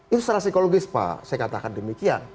itu secara psikologis pak saya katakan demikian